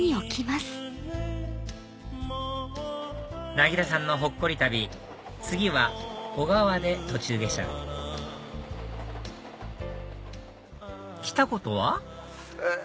なぎらさんのほっこり旅次は小川で途中下車来たことは？